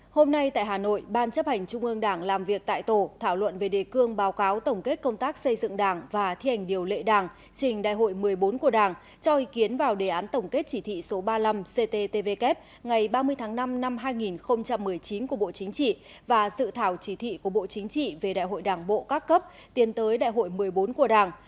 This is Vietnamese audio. hôm nay tại hà nội ban chấp hành trung ương đảng làm việc tại tổ thảo luận về đề cương báo cáo tổng kết công tác xây dựng đảng và thi hành điều lệ đảng trình đại hội một mươi bốn của đảng cho ý kiến vào đề án tổng kết chỉ thị số ba mươi năm cttvk ngày ba mươi tháng năm năm hai nghìn một mươi chín của bộ chính trị và sự thảo chỉ thị của bộ chính trị về đại hội đảng bộ các cấp tiến tới đại hội một mươi bốn của đảng